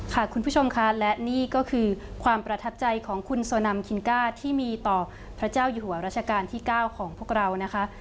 คุณผู้ชมค่ะและนี่ก็คือความประทับใจของคุณโซนัมคินก้าที่มีต่อพระเจ้าอยู่หัวราชการที่๙ของพวกเรานะคะ